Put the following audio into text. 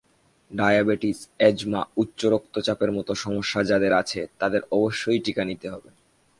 Diabetes, asthma, উচ্চ রক্তচাপের মতো সমস্যা যাঁদের আছে, তাঁদের অবশ্যই টিকা নিতে হবে।